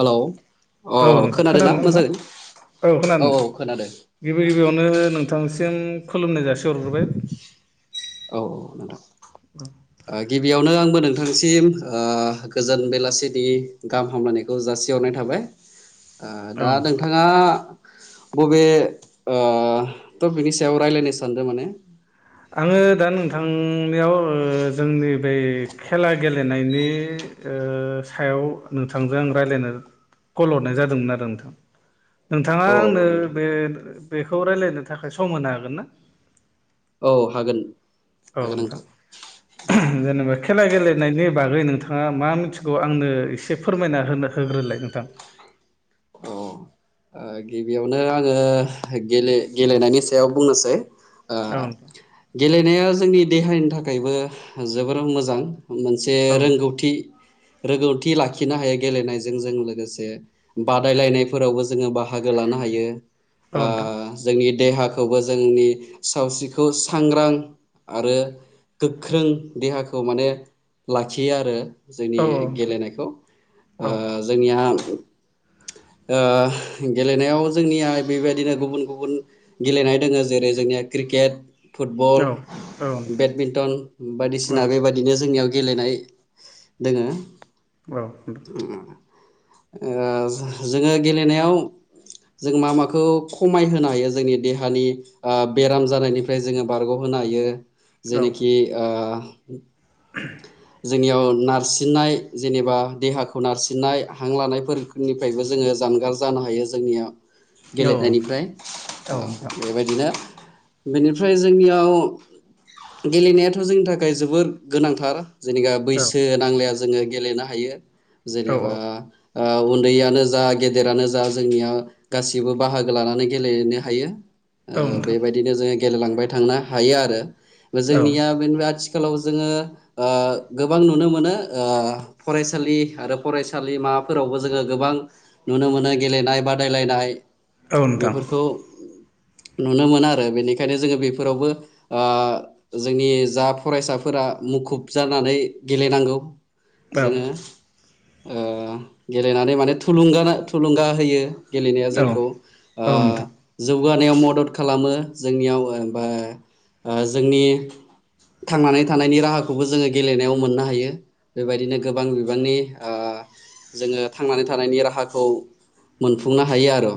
हेल' अ अ औ नोंथां खोनादों ना मा नोंथां जागोन? औ खोनादों नोंथां गिबि गिबियावनो नोंथांसिम खुलुमनाय जासि हरग्रोबाय औ औ नोंथां ओ गिबियावनो आंबो नों सिम ओ गोजोन बेलासिनि गाहाम हामलायनायखौ जासिहरनाय थाबाय। आ औ दा नोंथां नोंथाङा बबे ओ टपिकनि सायाव रायलायनो सानदों माने? आङो दा नोंथां नियाव जोंनि बै खेला गेलेनायनि सायाव नोंथांजों आं रायज्लायनो कल हरनाय जादोंमोन आरो नोंथां नोंथाङा औ औ आंनो नोंथां बे बेखौ रायलायनो थाखाय सम होनो हागोन ना? औ हागोन। औ नोंथां जेनेबा खेला गेलेनायनि बागै नोंथाङा मा मिथिगौ आंनो एसे फोरमायनाो होग्रोलाय नोंथां। [inaudible] औ ओ गिबियावनो आङो गेले-गेलेनायनि सायाव बुंनोसै ओ औ नोंथां गेलेनाया जोंनि देहानि थाखायबो जोबोर मोजां मोनसे औ नोंथां रोंगौथि रोंगौथि लाखिनो हायो गेलेनायजों जों लोगोसे बादायलायनायफोरावबो जोङो बाहागो लानो हायो औ ओ नोंथां जोंनि देहा खौबो जोंनि सावस्रिखौ सांग्रां आरो गोख्रों देहाखौ माने लाखियो आरो जोंनि औ औ नोंथां गेलेनायखौ ओ औ जोंनिया [inaudible] ओ गेलेनायाव जोंनिया बेबायदिनो गुबुन गुबुन गेलेनाय दङ जेरै जोंनिया क्रि केट औ फुटबल नोंथां औ बेडमिन्टन बायदिसिना बेबायदिनो जोंनियाव गेलेनाय दोङो। औ जोङो गेलेनायाव जों मा माखौ खमायहोनो हायो जोंनि देहानि ओ बेराम जानायनिफ्राय जोङो बारग हो नो हायो औ जेनाखि ओ जोनियाव नारसिननाय जेनेबा देहाखौ नारसिननाय हां लानायफोर निफ्रायबो जोङो जानगार जानो हायो जोंनिया नोंथां गेलेनायनिफ्राय औ ओ नोंथां बेबायदिनो बेनिफ्राय जोंनियाव गेलेनायाथ' जोंनि थाखाय जोबोर गोनांथार। जेनेबा बैसो औ नांलाया जोङो गेलेनो हायो औ जेनेबा ओ उन्दैयानो जा गेदेरानो जा जोंनिया गासिबो बाहागो लानानै गेलेनो हायो। औ ओ नोंथां बेबायदिनो जोङो गेलेलांबाय थांनो हायो आरो औ जोंनिया बेनि आथि खालाव जोङो ओ गोबां नुनो मोनो ओ फरायसालि आरो फरायसालि माबाफोरावबो जोङो गोबां नुनो मोनो गेलेनाय बादायलायनाय औ नोंथां बेफोरखौ नुनो मोनो आरो बेनिखायनो जोङो बेफोरावबो ओ जोंनि जा फरायसाफोरा मुखुब जानानै गेलेनांगौ। औ जोङो ओ गेलेनानै माने थुलुंगाना थुलुंगा होयो। गेलेनाया औ जोंखौ औ ओ नोंथां जौ गानायाव मदद खालामो जोंनियाव ओ बा जोंनि थांनानै थानायनि राहाखौबो जोङो गेलेनायाव मोननो हायो बेबायदिनो गोबां बिबांनि ओ जोङो थांनानै थानायनि राहाखौ मोनफुंनो हायो आरो।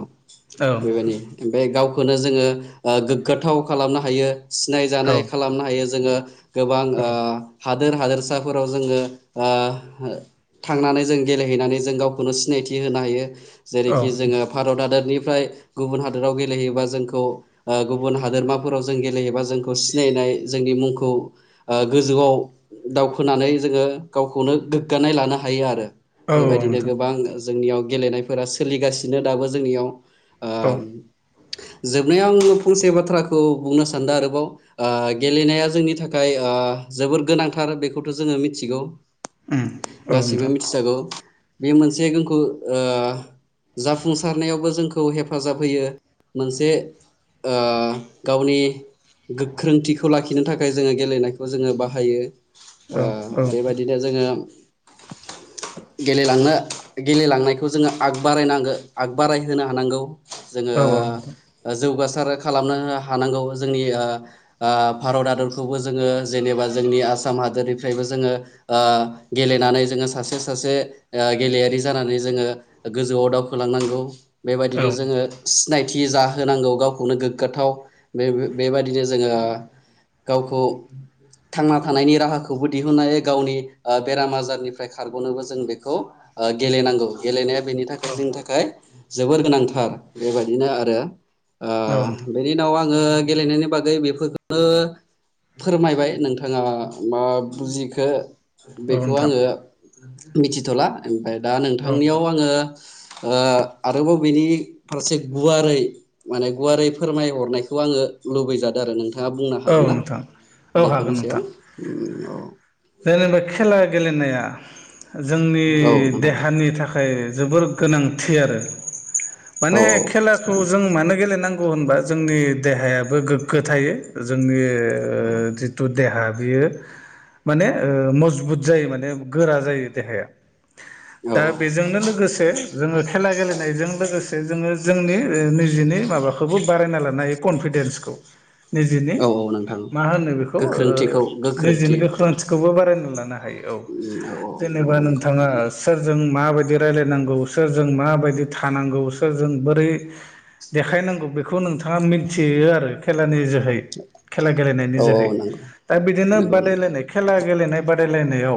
औ बेबायदि ओमफाय गावखौनो जोङो ओ गोग्गाथाव खालामनो हायो। सिनाय औ जानाय खालामनो हायो जोङो गोबां औ ओ हा दोर हादोरसाफोराव जोङो ओ थांनानै जों गे लेहनानै जों गावखौनो सिनायथि होनो हायो औ नोंथां औ उम औ नोंथां औ नोंथां औ नोंथां औ नोंथां औ नोंथां औ नोंथां औ जेरैखि नोंथां जोङो भारत हादारनि फ्राय गुबुन हादोराव गेलेहोयोबा जोंखौ ओ गुबुन हादोरमाफोराव जों गेलेहयोबा जोंखौ सिनायनाय जोंनि मुंखौ ओ गोजौआव दावखोनानै जोङो गावखौनो गोग्गानाय लानो हायो आरो। बेबायदिनो गोबां जोंनियाव गेलेनायफोरा सोलिगासिनो दाबो जोंनियाव। ओ। जोबनायाव आं फंसे बाथ्राखौ बुंनो सानदो आरोबाव ओ गेलेनाया जोंनि थाखाय ओ जोबोर गोनांथार बेखौथ' जोङो मिथिगौ। गासिबो मिथिसागौ बे मोनसे जोंखौ ओ जाफुंसारनायावबो जोंखौ हेफाजाब होयो। मोनसे ओ गावनि गोख्रोंथिखौ लाखि खिनो थाखाय जोङो गेलेनायखौ जोङो बाहायो ओ बेबायदिनो जोङो गेलेलांनो गेलेलांनायखौ जोङो आग बारायनांगो आग बारायहोनो हानांगौ। जोङो जौगा खालामनो हानांगौ जोंनि ओ ओ भारत हादरखौबो जोङो जेनेबा जोंनि आसाम हादोरनिफ्रायबो जोङो ओ गेलेनानै जोङो सासे सासे ओ गेलेयारि जानानै जोङो गोजौआव दावखोलांनांगौ बेबायदिनो जोङो सिनाय थि जाहोनांगौ गावखौनो गोग्गाथाव बे बेबायदिनो जोङो गावखौ थांना थानायनि राहाखौबो दिहुननानै गावनि ओ बेराम आजारनिफ्राय खारग'नोबो जों बेखौ खौ ओ गेलेनांगौ गेलेनाया बेनि थाखाय जोंनि थाखाय जोबोर गोनांथार। बेबायदिनो आरो ओ बेनि उनाव आं आङो गेलेनायनि बागै बेफोरखोनो फोरमायबाय नोंथाङा मा बुजिखो? बेखौ आङो मिथिथ'ला ओमफ्राय दा नोंथांनियाव आङो ओ आरोबाव बेनि फारसे गुवारै माने गुवारै फोरमायहरनायखौ आङो लुबैजादो आरो नोंथाङा बुंनो औ हागोन ना नोंथां औ बेफोरनि हागोन सायाव? नोंथां उम‌ अ। जेनेबा खेला गेलेनाया जोंनि औ नोंथां देहानि थाखाय जोबोर गोनांथि आरो। औ माने खेलाखौ जों मानो गेलेनांगौ गौ होनबा जोंनि देहायाबो गोग्गो थायो जोंनि ओ जिथु देहा बेयो माने ओ मजबुत जायो माने गोरा जायो देहाया। औ दा बेजोंनो लोगोसे जोङो खेला गेलेनायजों लोगोसे जोङो जोंनि निजिनि माबाखौबो बारायना लानो हायो कनफिदेन्सखौ। निजिनि औ औ नोंथां मा होनो बेखौ ओ गोख्रोंथिखौ निजिनि गोख्रोंथि गोख्रोंथिखौबो बा ना लानो हायो औ औ औ जेनेबा औ नंगौ नोंथाङा सोर जों माबायदि रायलायनांगौ सोरजों माबायदि थानांगौ सोरजों बोरै देखायनांगौ बेखौ नोंथाङा मिथियो आरो खेलानि जो है खेला गेलेनायनि औ औ जोहै। नंगौ दा बिदिनो नंगौ नोंथां बादायलायनाय खेला गेलेनाय बादायलायनायाव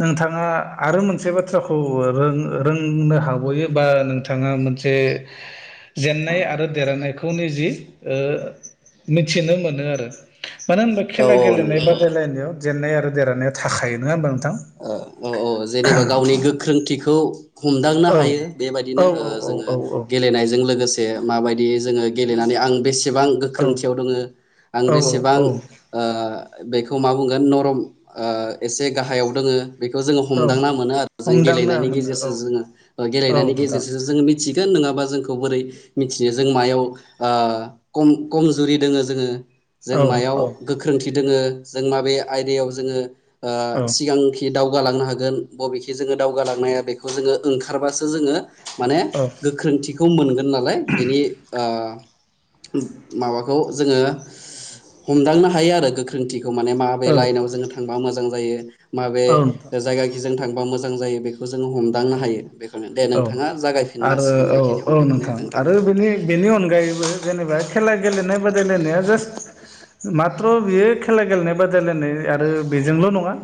नोंथाङा आरो मोनसे बाथ्राखौ रों रोंनो हाग'यो बा नोंथाङा से जेनन्नाय आरो देरहानायखौ निजि ओ मिथिनो मोनो आरो। मानो होनबा औ खेला औ नंगौ गेलेनाय नोंथां बादायलायनायाव जेननाय आरो देरहानाया थाखायो नङा होमबा नोंथां औ औ जेनेबा गावनि गोख्रोंथिखौ हमदांनो औ हायो बेबायदिनो ओ जोङो औ गेलेनायजों लोगोसे से माबायदि जोङो गेलेनानै आं बेसे बेसेबां गोख्रोंथियाव दङ आं औ बेसेबां औ ओ बेखौ मा बुंगोन नरम ओ एसे गाहायाव दोङो। बेखौ जोङो औ हमदांना मोनो आरो जों हमदांनो गेलेनायनि मोनो औ गेजेरसो जोङो औ गेलेनायनि नोंथां गेजेरसो जोङो मिथि नङाबा जोंखौ बोरै मिथिनो जों मायाव ओ कम-कमजुरि दोङो जोङो। जों औ मायाव गोख्रोंथि दोङो जों माबे आयदायाव जोङो ओ औ सिगां दावगालांनो हागोन बबेखि जोङो दावगालांनाया बेखौ जोङो ओंखारबासो जोङो माने औ गोख्रोंथिखौ मोनगोन नालाय बेनि ओ माबाखौ जोङो हमदांनो हायो आरो गोख्रोंथि खौ माने माबे लाइनाव जोङो थांबा मोजां जायो माबे औ नोंथां जायगाखि जों थांबा मोजां जायो बेखो जोङो हमदांनो हायो बेखायनो दे औ नोंथाङा जागायफिननो आरो हासिगोन बेखिनियाव दे नोंथां। नि अनगायैबो जेनेबा खेला गेलेनाय बादायलायनाया जास मात्र' बियो खेला गेलेनाय बादायलायनाय आरो बेजोंल' नङा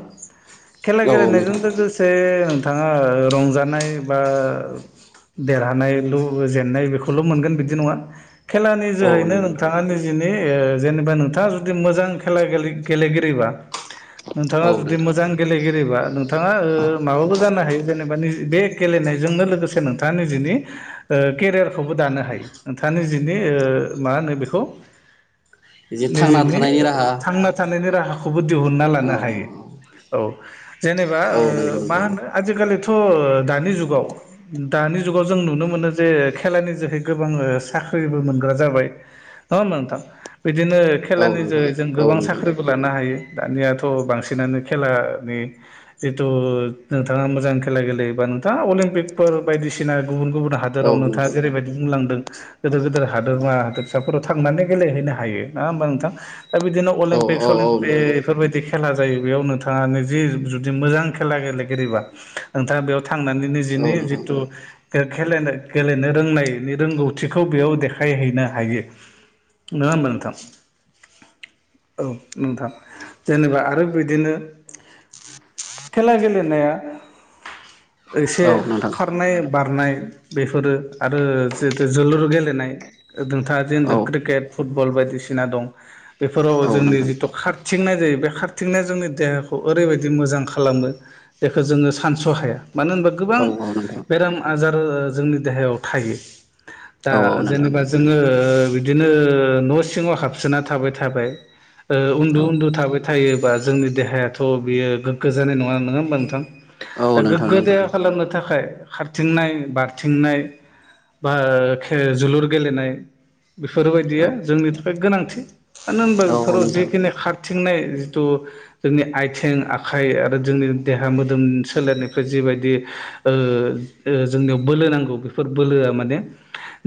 खेला औ औ गेलेनायजों नोंथां लोगोसे नोंथाङा रंजानाय बा देरहानायल' जेननाय बेखौल' मोनगोन बिदि नङा खेलानि औ जोहैनो नंगौ नोंथां नोंथाङा निजिनि ओ जेनेबा नोंथाङा जुदि मोजां खेला गेले गेलेगिरिबा नोंथाङा औ जुदि मोजां नोंथां गेलेगिरिबा नोंथाङा ओ माबाबो जानो हायो जेनेब बा निजि बे गेलेनायजोंनो लोगोसे नोंथाङा निजिनि ओ केरियारखौबो दानो हायो नोंथाङा जिनि ओ मा होनो बेखौ जे थांना निजिनि थानायनि राहा थांना थानायनि राहा खौबो दिहुनना लानो औ हायो औ जेनेबा औ ओ नंगौ मा नोंथां होनो आलिथिखाल' थ' दानि जुगाव दानि जुगाव जों नुनो मोनो जे खेलानि जोहै गोबां साख्रि ख्रिबो मोनग्रा जाबाय नङा होमबा नोंथां? बिदिनो औ खेलानि नोंथां जोहै जों औ गोबां नोंथां साख्रिबो लानो हायो। दानियाथ' बांसिनानो खेलानि जिथु नोंथाङा मोजां खेला गेलेयोबा नोंथाङा अलिमपिकफोर बायदिसिना गुबुन गुबुन औ हादोराव नोंथाङा नोंथां जेरैबायदि बुंलांदों गोदोर गोदोर हादोरमा हादोरिसाफोराव थांनानै गेलेहैनो हायो नोङा होमबा नोंथां? दा बिदिनो औ अलिमपिक औ औ सलिमपिक नोंथां इफोरबायदि खेला जायो बेयाव नोंथाङानो जि जुदि मोजां खेला गेलेगिरिबा नोंथाङा बेयाव थांनानै औ निजिनि नोंथां जितु खेलेनो गेलेनो रोंनायनि रोंगौथिखौ बेयाव देखायहैनो हायो। नोङा होनबा नोंथां? औ नोंथां जेनेबा आरो बिदिनो खेला गेलेनाया एसे औ नोंथां खारनाय बारनाय बेफोरो आरो जितु जोलुर गेलेनाय नोंथाङा जे होनदो औ क्रिकेट फुटबल बायदिसिना दं बेफोराव औ जोंनि नोंथां जिथु खार थिंनाय जायो बे खारथिंनाया जोंनि देहाखौ ओरैबायदि मोजां खालामो बेखौ जोङ सानस स' हाया मानो होनबा गोबां औ नोंथां बेराम आजार जोंनि देहायाव थायो। औ दा नोंथां जेनेबा जोङो बिदिनो न' सिङाव हाबसोना थाबाय थाबाय ओ उन्दु औ उन्दु थाबाय थायो बा जोंनि देहायाथ' बियो गोग्गो जानाय नङा नोङा होमबा नोंथां? दा औ नोंथां गोग्गो नंगौ देहा खालामनो थाखाय खारथिंनाय बारथिंनाय बा खे जोलुर गेलेनाय। बेफोरबायदिया औ जोंनि थाखाय गोनांथि मानो होनबा औ औ बेफोराव नोंथां जिखिनि खारथि थिंनाय जिथु जोंनि आयथें आखाइ आरो जोंनि देहा मोदोम सोलेरनि फ्राय जिबायदि ओ ओ जोंनियाव बोलो नांगौ बेफोर बोलोआ माने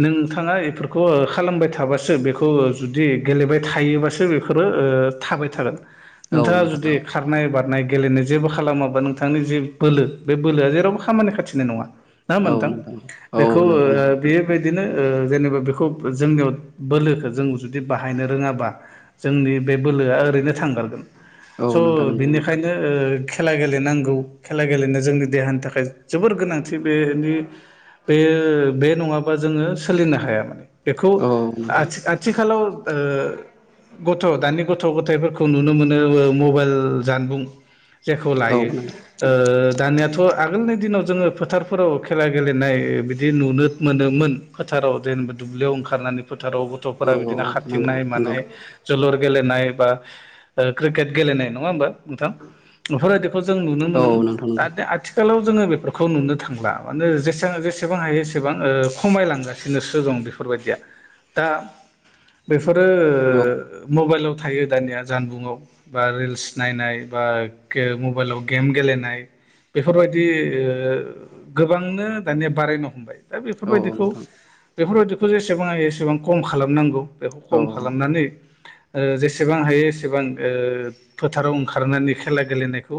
नों थाङा इफोरखौ ओ खालामबाय थाबासो बेखौ जुदि गेलेबाय थायोबासो बेफोरो ओ थाबाय थागोन औ नोंथाङा नोंथां जुदि खारनाय बारनाय गेलेनाय जेबो खालामाबा नोंथांनि जे बोलो बे बोलोआ जेरावबो खामानि खाथिनाय ना होमबा औ नोंथां औ बेखौ ओ नोंथां बेबायदि दिनो ओ जेनेबा बेखौ जोंनियाव बोलोखो जों जुदि बाहायनो रोङाबा जोंनि बे बोलोआ ओरैनो थांगारगोन। औ स' नोंथां बिनिखायनो ओ खेला गेलेनांगौ खेला गेलेनो जोंनि देहानि थाखाय जोबोर गोनांथि बेनि बे बे नङाबा जोङो सोलिनो हाया माने बेखौ औ नोंथां आथिखालाव गथ' दानि गथ' गथ' गथायाइफोरखौ नुनो मोनो मबाइल जानबुं जेखौ औ लायो। नोंथां दानियाथ' आगोलनि दिनाव जोङो फोथारफोराव खेला गेलेनाय बिदि नुनो मोनोमोन। फोथाराव जेनेबा दुब्लियाव ओंखारनानै फोथाराव गथ'फोरा औ बिदिनो नोंथां खारथिंनाय नंगौ मानाय जोलुर गेलेनाय बा क्रिकेट गेलेनाय नङा होमबा। नोंथां बेफोर बायदिखौ जों नुनो औ मोनोमोन नोंथां नंगौ दा आथिखालाव जोङो बेफोरखौ नुनो थांला माने जेसेबां जेसेबां हायो एसेबां खमाय लांगासिनोसो दं बे बायदिया दा बेफोर औ मबेल थायो दानिया जानबुंङाव बा रिल्स नायनाय बा मबाइलाव गेम गेलेनाय। बेफोर बायदि गोबांनो दानिया बारायनो हमबाय। दा बेफोर औ नोंथां औ बायदिखौ बेफोर बायदिखौ जेसेबां हायो एसेबां खम खालामनांगौ‌। बेखौ खम खालामनानै जेसेबां हायो एसेबां फोथाराव ओंखारनानै खेला गेलेनायखौ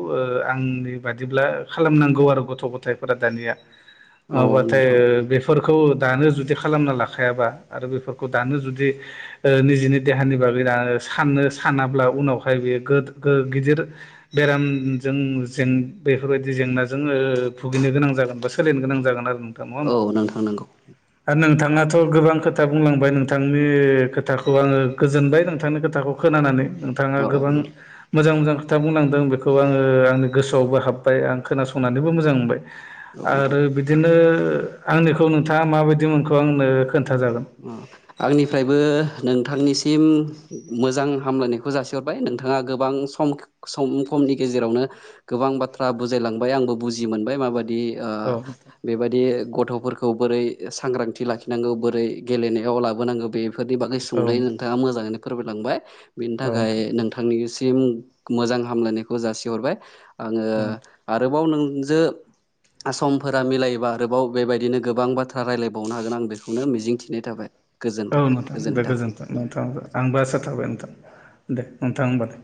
आंनि बादिब्ला खालामनांगौ आरो गथ' गथायफोरा दानिया नङा बाथाय। नोंथां बेफोरखौ दानो जुदि खालामना लाखायाबा आरो बेफोरखौ दानो जुदि निजेनि देहानि साननोसानाब्ला उनावहाय बे गिदिर बेरामजों जें बेफोरबायदि जेंनाजों भुगिनो गोनां जागोन बा सोलिनो गोनां जागोन आरो। नङा होमबा औ नोंथां नंगौ नोंथां। नोंथांआथ' गोबां खोथा बुंलांबाय नोंथांनि खोथाखौ आङो गोजोनबाय नोंथांनि खोथाखौ खोनानानै। नोंथाङा औ औ गोबां नोंथां मोजां मोजां खोथा बुंलांदों बेखौ आङो आंनि गोसोआवबो हाब आं खोनासंनानैबो मोजां मोनबाय। औ नोंथां आरो बिदिनो आंनिखौ नोंथाङा माबायदि मोनखो आंनो खोन्था जागोन। आंनिफ्रायबो। नोंथांनिसिम मोजां हामलायनायखौ जासि हरबाय नोंथाङा गोबां सम सम खम नि गेजेरावनो गोबां बाथ्रा बुजाय लांबाय आंबो बुजि मोनबाय माबायदि। औ दि बेबायदि गथ'फोरखौ बोरै सांग्रांथि लाखिनांगौ बोरै गेलेनायाव लाबोनांगौ बेफोरनि बागै औ सुंदै नोंथाङा मोजाङैनो फोरमाय लांबाय। बेनि औ थाखाय नोंथांनिसिम मोजां हामलायनायखौ जासि हरबाय। आङो औ आरोबाव नोंजों समफोरा मिलायोबा आरोबाव बेबायदिनो गोबां बाथ्रा रायलायबावनो हागोन आं बेखौनो मिजिं थिबाय थाबाय। औ नोंथां दे गोजोन्थों नोंथां थाबाय आंबो आसा थाबाय नोंथां। दे नोंथां होमबा दे।